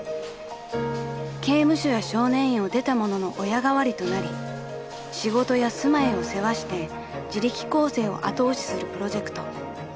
［刑務所や少年院を出た者の親代わりとなり仕事や住まいを世話して自力更生を後押しするプロジェクト］